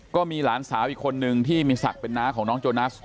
ก็มีหลานสาวอีกคนนึงที่มีศักดิ์เป็นน้าของน้องโจนัส